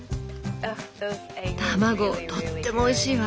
卵とってもおいしいわ。